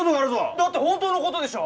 だって本当の事でしょ！？